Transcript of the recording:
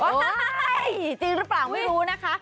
ใช่จริงหรือเปล่าไม่รู้นะคะ